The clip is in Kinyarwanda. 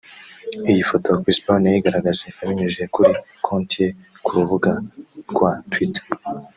Iyi foto Chris Brown yayigaragaje abinyujije kuri konti ye ku rubuga rwa Twitter